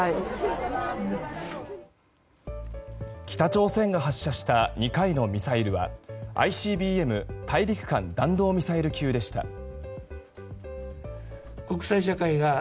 北朝鮮が発射した２回のミサイルはＩＣＢＭ・大陸間弾道ミサイル級でした。